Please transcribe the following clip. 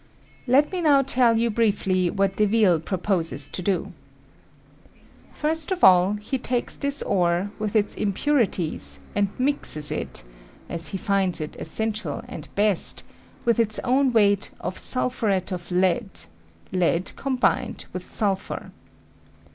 Let me now tell you briefly what Deville proposes to do. First of all, he takes this ore with its impurities and mixes it (as he finds it essential and best) with its own weight of sul phuret of lead — ^lead combined with sulphur.